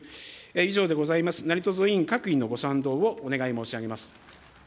以上でございます、何卒、委員各員のご賛同をお願い申し上げます。